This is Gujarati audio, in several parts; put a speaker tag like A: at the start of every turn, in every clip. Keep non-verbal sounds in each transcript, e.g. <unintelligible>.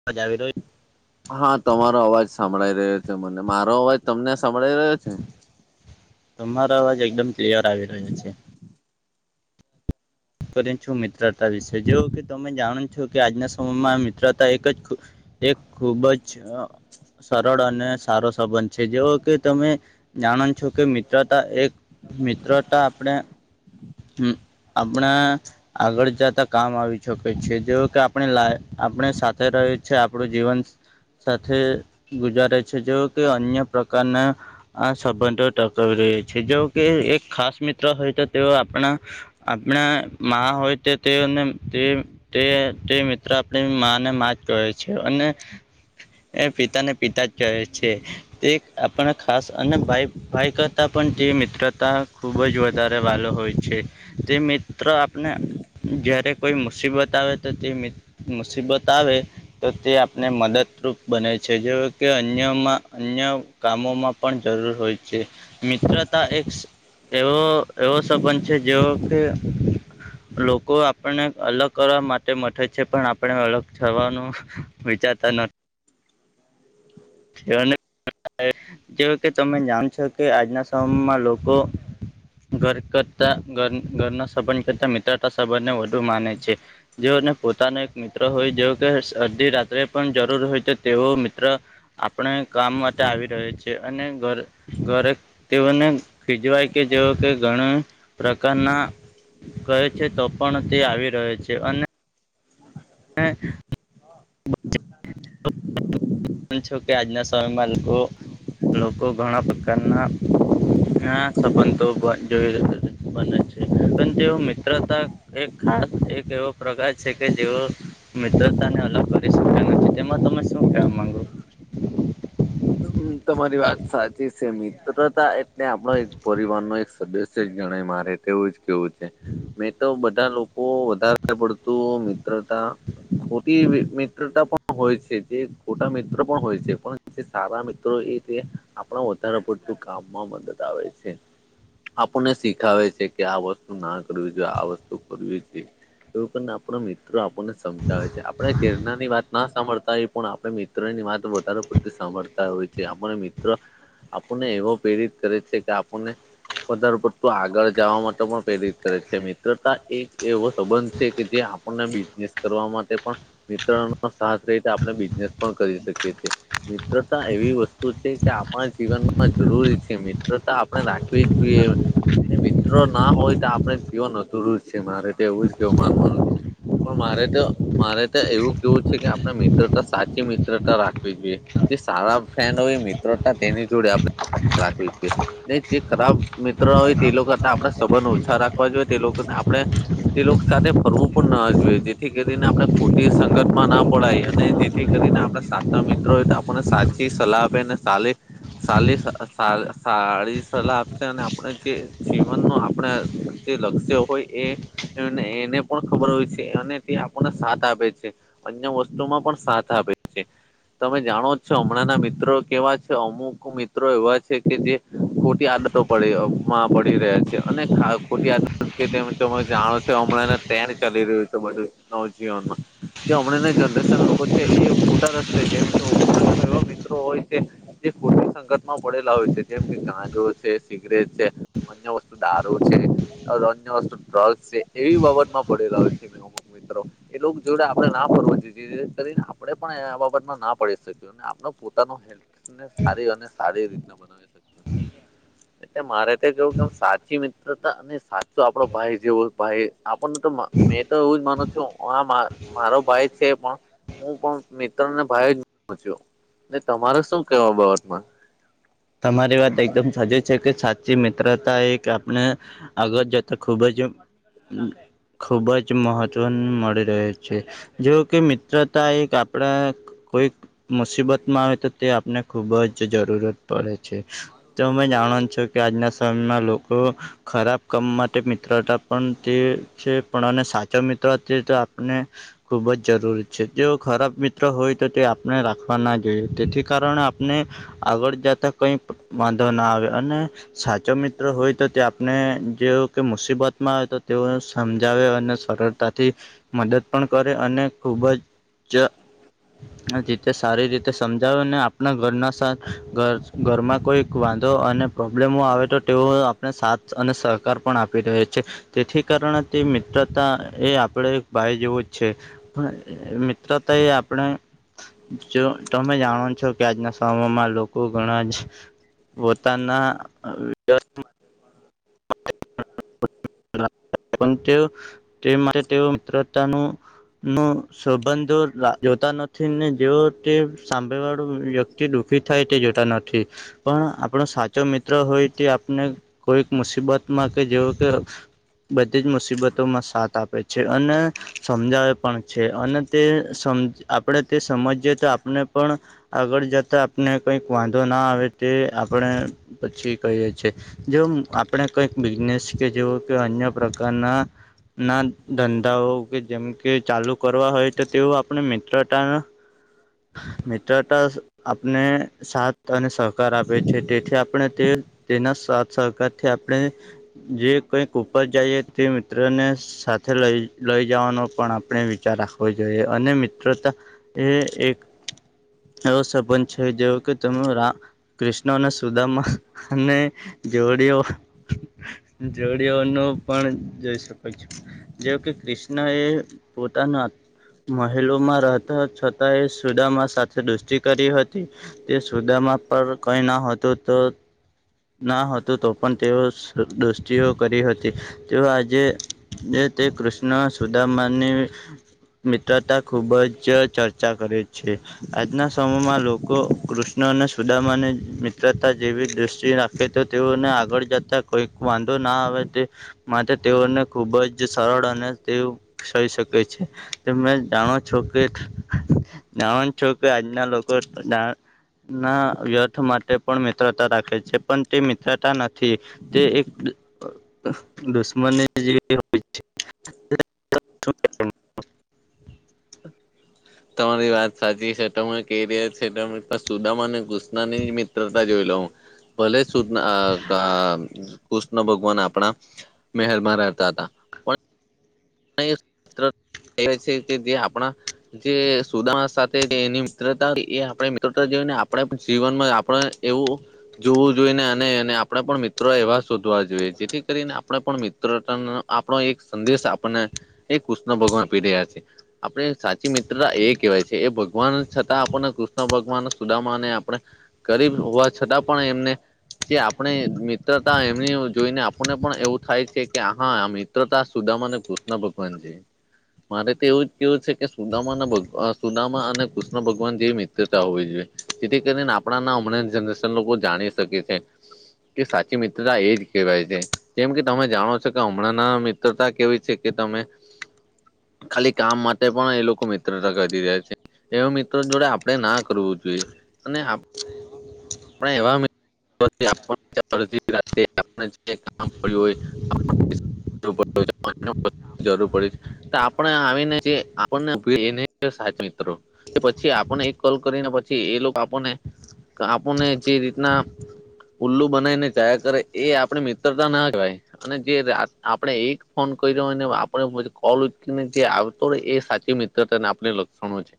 A: <unintelligible>
B: હા તમારો અવાજ સભળાઈ રહ્યો છે મને મારો અવાજ તમને સાભળાઈ રહ્યો છે?
A: તમારો અવાજ એકદમ ક્લિયર આવી રહ્યો છે. કરી છું મિત્રતા વિશે જો કે તમે જાણો છો કે આજના સમયમાં મિત્રતા એક જ ખું એક ખુબ જ સરળ અને સારો સંબંધ છે જેવો કે તમે જાણો છો કે મિત્રતા એક મિત્રતા આપડે હમ્મ હમણા આગળ જાતા કામ આવી છકે છે જેવું કે આપણે લા આપણે સાથે રહે છે આપણું જીવન સાથે ગુજારે છે જેવું કે અન્ય પ્રકારના આ સંબંધો ટકાવી રહ્યો છે જો કે એક ખાસ મિત ત્ર હોય તો તેઓ આપણા આપણા માં હોય તો તેઓને તે તે તે મિત્ર આપણી માં ને માં જ કેવાય છે અને એ પિતાને પિતા જ કેવાય છે તે આપણા ખાસ અને ભાઈ ભાઈ ક તાં પણ તે મિત્રતા ખૂબ જ વધારે વાલો હોય છે તે મિત ત્ર આપને જયારે કોઈ મુસીબત આવે તો તે મિત મુસીબત આવે તો તે આપને મદદરૂપ બને છે જેવું કે અન્યમાં અન્ય કામોમાં પણ જરૂર હોય છે મિત્રતા એક્સ એવો એવો સંબંધ છે જેવો કે લોકો આપણને અલગ કરવા માટે મથે છે પણ આપણે અલગ થવાનું વિચારતા ન જે જેવું કે તમે જાણ છો કે આજના સમયમાં લોકો ઘર કરતા ઘર ઘરના સંબંધ કરતા મિત્રતા સંબંધને વધુ માને છે. જેઓને પોતાનો એક મિત્ર હોય જેવો કે અડધી રાત્રે પણ જરૂર હોય તો તેઓ મિત્ર આપણે કામ માટે આવી રહે છે અને ઘર ઘરે તેઓને ખીજવાય કે જેવો કે ઘણા પ્રકારના કહે છે તો પણ તે આવી રહે છે અને હે અં છો કે આજના સમયમાં લોકો લોકો ઘણા પ્રકારના ઘણા સંબંધો બ જોય જોઈ બને છે પણ તેઓ મિત્રતા એક ખાસ એક એવો પ્રકાર છે કે જેવો મિત્રતાને અલગ કરી શક્તા નથી તેમાં તમે શું કેવા માંગો
B: હમ્મ તમારી વાત સાચી છે મિત્રતા એટલે આપણો એક પરિવાર નો એક સદસ સજ ગણાય મારે તેવું જ કેવું છે મેં તો બ તા લોકો વધારે પડતું મિત્રતા ખોટી એવી મિત્રતા પણ હોય છે જે ખોટા મિત્ર પણ હોય છે પણ જે સારા મિત્રો એ જે આપણા વધારે પડતું કામમાં મદદ આવે છે. આપણને શીખાવે છે કે આ વસ્તુ ના કરવી જોઈએ આ વસ્તુ કરવી જોઈએ એવું પણને આપણો મિત્રો આપ પને સમજાવે છે આપડે ઘેરનાની વાત ના સાંભળતા હોય પણ આપણે મિત્રની વાત વધારે પડતી હાંભળતાં હોય છે આપણે મિત્ર આપણને એવો પ્રેરિત કરે છે કે આપણને વધારે પડતું આગળ જવા માટે પણ પ્રેરિત કરે છે મિત્રતા એક એવો સંબંધ છે કે જે આપણને બિઝનેસ કરવા માટે પણ મિત્રનો સાથ હોય તો આપણે બિઝનેસ પણ કરી શકીએ છે. મિત્રતા એવી વસ્તુ છે કે આપણા જીવનમાં જરૂરી છે મિત્રતા આપણે રાખવી જોઈએ મિત્રો ના હોય તો આપણે જીવન અધુરું જ છે મારે તે એવું જ કેવું માનવાનું છે. પ મારે ત મારે ત એવું કેવું છે કે આપણે મિત્રતા સાચી મિત્રતા રાખવી જોઈએ. જે સારા ફ્રેન્ડ હોય એ મિત્રતા તેની જોડે આપડે રાખવી જોઈએ. ને જે
A: હા,
B: ખરાબ મિત્ર હોય તે
A: લોકો
B: લોકોને આપ
A: સાથે
B: સંબંધ
A: સંબંધો
B: ઓછા
A: સારા
B: રાખવા જોઈએ
A: હોય
B: તે લોકોને આપણે તે લોકો સાથે ફરવું પણ ના અજવે જેથી કરીને આપણે ખોટી સંગતમાં ના પડાય અને જેથી
A: તો
B: કરીને આપ સાતા મિત્રોય તો આપણને સાચી સલાહ આપે ને સાલી સ સારી સલાહ આપશે અને આપણે જે જીવન ન આપણે જે લક્ષ્ય હોય એ એને પણ ખબર હોય છે અને તે આપણને સાથ આપે છે અન્ય વસ્તુમાં પણ સાથ આપે છે તમે જાણો હમણાં ના મિત્રો કેવા છે અમુક મિત્રો એવા છે કે જે ખોટી આદ પમાં પડી રહ્યા છે અને ખોટી જાણો છ હમણાં ત્યાની ચાલી રહ્યું તો બધું નવજીવનમાં જે હમણાં ના જનરેશન લોકો છે એ મોટા રસ્તે જેમ તો એ મિત્રો હોય કે જે સંકટમાં પડેલા હોય છે જેમ કે ગાંજો છે સિગરેટ છે અ વસ્તુ દારો છે અન્ય વસ્તુ ડ્રગસ છે એવી બાબતમાં પડેલા હોય છે મિત્રો એ લોકો જોડે આપડે ના પડવુ જોઈએ જે કરીને આપડે પણ એ બાબતમાં ના પડી શકી આપણા પોતાના હેલ્થ ને સારી અને સારી રીત બનાવી એટલે મારે તો કેવું કે સાચી મિત્ર હતા અને સાચો આપડો ભાઈ જેવો ભાઈ આપણ તો મે તો એવુ જ મનુ હા મારો ભાઈ છે પણ હું પણ મિત્રને ભાઈ પછીયો ને તમારે શું કેવા બાબતમાં
A: તમારી વાત એકદમ સાચી છે કે સાચી મિત્રતા એક આપણે અગ જતા ખુબ જ ખૂબ જ મહત્વ મળી રહે્યો છે જે કે મિત્રતા એક આપણા કોઈ મુસીબત માં આવે તો તે આપને ખુબ જ જરૂરત પડે છે તોમે જાણ છો કે આજના સમયમાં લોકો ખરાબ કામ માટે મિત્ર હતા પણ તે છે પણ અને સાચો મિત્ર હતી તો આપણે ખૂબ જ જરૂરી છે તેઓ ખરાબ મિત્ર હોય તો તે આપણે રાખવા ના જોઈએ તેથી કારણે આપણે આગળ જતા કઈ વાંધા ના આવે અને સાચો મિત્ર હોય તો તે આપને જેવ કે મુસીબતમાં આવે તો તેઓ સમજાવે અને સરળ તાથી મદદ પણ કરે અને ખૂબ જ ને જેતી સારી રીતે સમજાવે ને આપણા ઘરના સ ઘર ઘરમાં કોઈક વાંધો અને પ્રોબ્લેમો આવે તો તેવો આપણે સાથ અને સહકાર પણ આપી રહે છે તેથી કારણે તે મિત્રતા એ આપણે ભાઈ જેવો જ છે હ મિત્રતા એ આપણે જો તમે જાણો છો કે આજના સમયમાં લોકો ઘણા જ પોતાના અ
B: <inaudible>
A: પણ તે તે માટે તેઓ મિત્રતાનું નો સંબંધો લા જોતા નથી ને જેઓ તે સાંભળ વાળું વ્યક્ કે દુઃખી થાય તે જોતા નથી પણ આપણો સાચો મિત્ર હોય તે આપને કોઈક મુસીબતમાં કે જેવું કે બધી જ મુસીબતોમાં સાથ આપે છે અને સમજાવે પણ છે અને તે સમ આપણે તે સમજીએ તો આપને પણ આગળ જતા આપને કઈક વાંધો ના આવે તે આપણે પછી કહીએ છે જેમ આપણે કઈક બિઝનેસ કે જેવુ કે અન્ય પ્રકારના ના ધંધાઓ કે જેમ કે ચાલુ કરવા હોય તો તેઓ આપણે મિત્રતાના મિત્રતા આપને સાથ અને સહકાર આપે છે તેથી આપણે તે તેના સાથ સહકારથી આપણે જે કઈક ઉપર જાઈએ તે મિત્ર ને સાથે લઈ લઈ જવાનો પણ આપણે વિચાર રાખવો જોઈએ અને મિત્રતા એ એક એવો સંબંધ છે જેઓ કે તમે રા કૃષ્ણ અને સુદામા અને જોડીઓ જોડીઓનો પણ જોઈ શકો છો. જે કે કૃષ્ણ એ પોતાના મહેલોમાં રહેતા છ છતાં એ સુદામા સાથે દોસ્તી કરી હતી તે સુદામા પર કઈ ન હતું તો ના હતું તો પણ તેઓ સુ દો દોસ્તીઓ કરી હતી. તેઓ આજે તે કૃષ્ણ સુધામાની મિત્રતા ખુબ જ ચર્ચા કરે છે. આજના સમયમાં લોકો કૃષ્ણ અને સુદામાની મિત્રતા જેવી દૃષ્ટિ રાખે કે તો તેઓને આગળ જતા કોઈક વાંધો ના આવે તે માટે તેઓને ખુબ જ સરળ અને તેવું કહી શકે. કહે છે તમે જાણો છો કે નાવન છો કે આજના લોકોના. ના વ્યર્થ માટે પણ મિત્રતા રાખે છે પણ તે મિત્રતા નથ થી તે એક દુશ્મનની જેવી હોય છે. <inaudible>
B: તમારી વાત સાચી છે તમે કેય રીયા છે તમે સુદામા અને કુશનાની મિત મિત્રતા જોઈ લઉ. ભલે સુ અ અ કૃષ્ણ ભગવાન આપણા મહેલમાં રહેતા હતા. છે કે જે આપણા જે સુદામા સાથે એની મિત્રતા એ આપણે મિત્રતા જેવીને આપણે જીવનમાં આપણે એવું જોવું જોઈને અને આપણે પણ મિત્રો એવા શોધવા જોઈએ જેથી કરીને આપણે પણ મિત્રતા ના આપણો એક સંદેશ આપણને એ કૃષ્ણ ભગવાન આપી રહ્યા છે. આપણી સાચી મિત્રતા એ કહેવાય છે એ ભગવાન છતાં આપણને કૃષ્ણ ભગવાન સુદામાને આપણે ગરીબ હોવા છતાં પણ એમને જે આપણે મિત્રતા એમની જોઈને આપણને પણ એવું થાય છે કે હા આ મિત મિત્રતા સુદામા અને કૃષ્ણ ભગવાન જેવી. મારે તો એવું જ કેવું છે કે સુદામા ને ભગ સુદામા અને કૃષ્ણ ભગવાન જેવી મિત્રતા હોવી જોઈએ. જેથી કરીને આપણાના હમણાં જનરેશન લોકો જાણી શકે છે. કે સાચી મિત્રતા એ જ કેહેવાય છે જેમ કે તમે જાણો છો કે હમણાં ના મિત્રતા કેવી છે કે તમે ખાલી કામ માટે પણ એ લોકો મિત્રતા કરી રહ્યા છે. એવા મિત્રો જોડે આપણે ના કરવું જોઈએ. અને આપ પણે <inaudible> <inaudible> જગ્યા એ કામ પડ્યું હોય, <unintelligible> જરૂર પડી તો આપણા આવીને જે આપણને <inaudible> તો પછી આપણને એક કોલ કરીને પછી એ લોકો આપણને કોને જે રીતના ઉલ્લુ બનાવીને જાયા કરે, એ આપણી મિત્રતા ના કહેવાય. અને જે રાત આપણે એક ફોન કઈરો હોયને હવે આપણે <unintelligible> કોલ ઉચકીને જે આવતો રહે એ સાચી મિત ત્રતાના <unintelligible> લક્ષણો છે.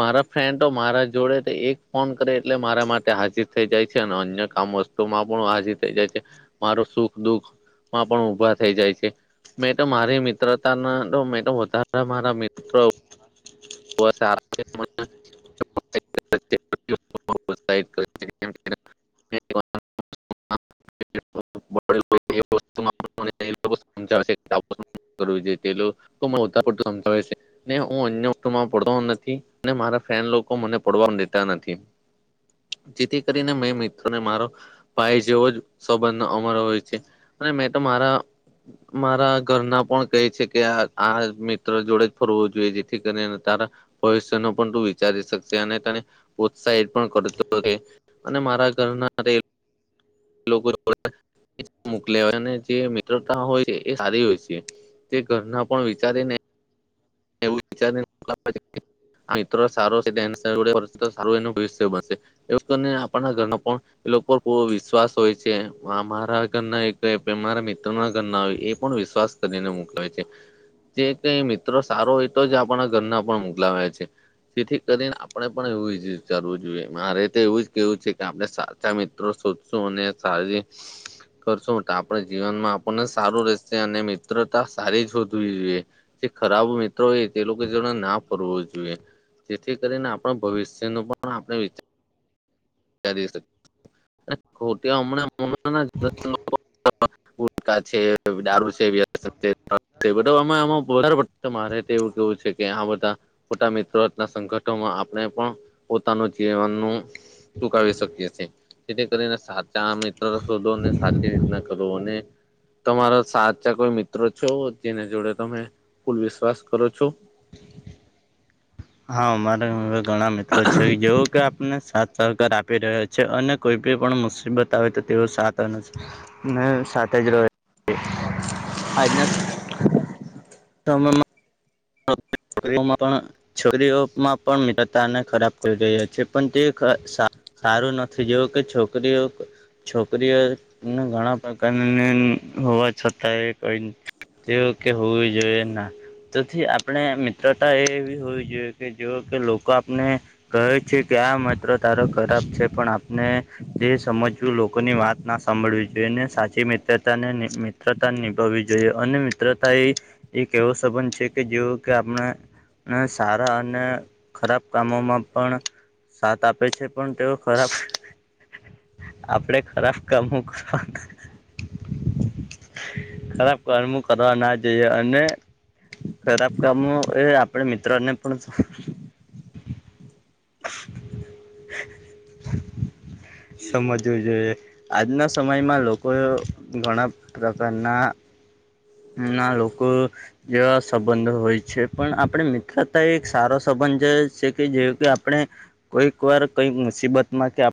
B: મારા ફ્રેન્ડ તો મારા જોડે તે એક ફોન કરે એટલે મારા માટ ટે હાજીર થઈ જાય છે. અન્ય કામ વસ્તુમાં પણ હાજીર થઈ જાય છે. મારો સુખ દુઃખ માં પણ ઉભા થઈ જાય છે. મેં તો મારી મિત્રતાના તો મેં તો વધારે મારા મિત્રો <inaudible> <inaudible> <inaudible> <inaudible> જોઈએ. <inaudible> ને હું <unintelligible> <unintelligible> નથી, ને મારા ફ્રેનડ લોકો મને પડવા દેતા નથી. જેથી કરીને મેં મિત્રોને મારો ભાઈ ડેવો જ સબંધ અમારો હોય છે. અને મેં તો મારા મારા ઘરના પણ કહે છે કે આ-આ મિત્ર જોડે જ ફરવો જોઈએ, જેથી <unintelligible> ભવિષ્ય નું પણ તું વિચારી શકશે, અને તને પ્રત્સાહિત પણ કરતો રહે. અને મારા ઘરના <inaudible> <unintelligible> અને જે મિત્રતા હોય છે એ સારી હોય છે. તે ઘરના પણ વિચારીને <inaudible> આ મિત્ર સારો છે તો <unintelligible> એ લોકોને આપણના ઘરનો પણ એ લોક પર પૂરો વિશ્વાસ હોય છે. મા મારા ઘરના <unintelligible> મારા મિત્રના ઘરના આવે એ પણ વિશ્વાસ કરીને મોકલાવે છે. જે કંઈ મિત્રો સારો હોય તો જ આપણા ઘરના પણ મોકલાવે છે. જેથી કરીને આપણે પણ એવું જ વિચારવું જોઈએ. મારે તો એવું જ કહેવું છે કે આપણે સાચા મિત ત્રો શોધશું અને સારી કરશું તો આપણે જીવનમાં આપણને સારું રહેશે. અને મિત્રતા સારી શોધવી જોઈએ. <unintelligible> ખરાબ <unintelligible> ત્રો એ તે લોકો જોડે ના ફરવું જોઈએ. જેથી કરીને આપણા ભવિષ્ય નું પણ આપણે વિચા ચારી <inaudible> અને ખોટી હમણાં <inaudible> ગુટખા છે, દારૂ છે, વ્યસ <inaudible> મારે તો એવું કહેવું છે કે હા બધા ખોટા મિત્રોના સંગઠોમાં આપણે પણ પોતાનું જીવનનું ટુંકાવી શકીએ છે. તેથી કરીને સાચા મિત્ર શોધો, અને સાચી રીતના કરો. અને તમારા સાચા કોઈ મિત્રો છો, જેને જોડે તમે ફૂલ વિશ્વાસ કરો છો?
A: હા મારે હવે ઘણા મિત્રો <unintelligible> કે આપને સાથ સહકાર આપી રહ્યો છ છે. અને કોઈ ભી પણ મુસીબત આવે તો તેઓ <inaudible> ને સાથે જ રહે આજના સ મયમાં <inaudible> છોકરીઓમાં પણ મિત્રતાને ખરાબ કરી રહ્યા છે પણ તે સા સારું નથી જેવું કે છોકરીઓ છોકરીઓએ ઘણા પ્રકાર હોવા છતાં એ કઈ તેઓ કે હોવી જોઈએ ના. થી આપણે મિત્રતા એ એવી હોવી જોઈએ કે જો કે લોકો આપણે કહે છે કે આ મત્ર તારો ખરાબ છે પણ આપને તે સમજવું લોકોની વાત ના સાંભળવી જોઈએ ને સાચી મિત્રતા ને મ્રતા નિભાવવી જોઈએ અને મિત્રતા એ એક એવો સંબંધ છે કે જેવુ કે આપણે અને સારા અને ખરાબ કામોમાં પણ સાથ આપે છે પણ તેઓ ખરાબ આપડે ખરાબ કામ કરવા હવે ખરાબ કરમું કરવા ના જઈએ અને ખરાબ કામો એ આપણે મિત્રો ને પણ
B: <inaudible>
A: સમજવું જોઈએ. આજના સમયમાં લોકોએ ઘણા પ્રકારના હમના લોકો જેવા સંબંધો હોય છે પણ આપણે મિત્રતા એક સારો સંબંધ જોયો છે કે જોયું કે આપણે કોઈક વાર કઈ મુસીબત માં કે